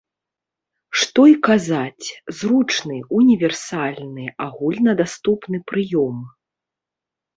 Што і казаць, зручны, універсальны, агульнадаступны прыём.